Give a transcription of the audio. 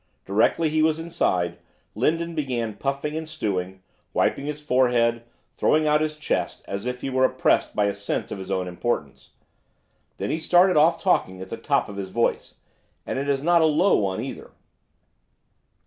Directly he was inside, Lindon began puffing and stewing, wiping his forehead, throwing out his chest, as if he were oppressed by a sense of his own importance. Then he started off talking at the top of his voice, and it is not a low one either.